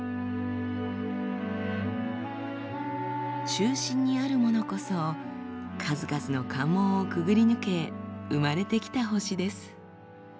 中心にあるものこそ数々の関門をくぐり抜け生まれてきた星です。